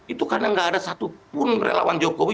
itu karena nggak ada satupun relawan jokowi